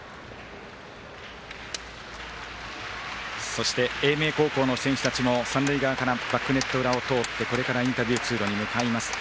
そして、英明高校の選手たちも三塁側からバックネット裏を通ってこれからインタビュー通路に向かいます。